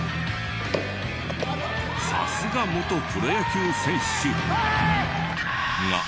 さすが元プロ野球選手。